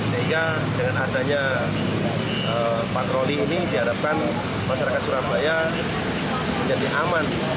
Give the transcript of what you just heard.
sehingga dengan adanya patroli ini diharapkan masyarakat surabaya menjadi aman